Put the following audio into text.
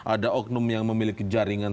ada oknum yang memiliki jaringan